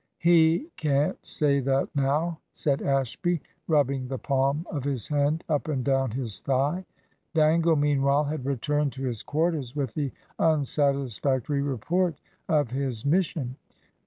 "He can't say that now," said Ashby, rubbing the palm of his hand up and down his thigh. Dangle, meanwhile, had returned to his quarters with the unsatisfactory report of his mission.